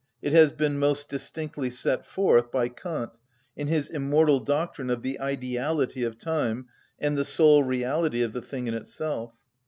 It has been most distinctly set forth by Kant in his immortal doctrine of the ideality of time and the sole reality of the thing in itself.